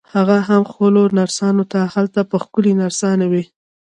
هغه هم ښکلو نرسانو ته، هلته به ښکلې نرسانې وي.